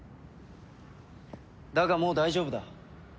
だがもう大丈夫だ。